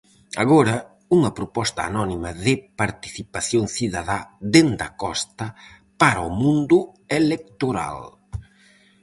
Agora, unha proposta anónima de participación cidadá dende a Costa para o mundo electoral.